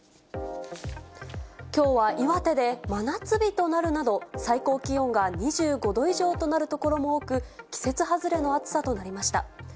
きょうは岩手で真夏日となるなど、最高気温が２５度以上となる所も多く、季節外れの暑さとなりました。